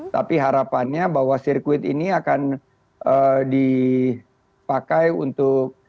tapi harapannya bahwa sirkuit ini akan dipakai untuk